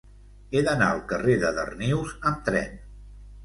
He d'anar al carrer de Darnius amb tren.